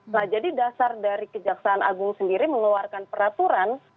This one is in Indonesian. nah jadi dasar dari kejaksaan agung sendiri mengeluarkan peraturan